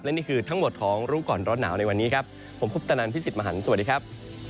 นี่คือทั้งหมดของรู้ก่อนร้อนหนาวในวันนี้ครับผมคุปตนันพี่สิทธิ์มหันฯสวัสดีครับ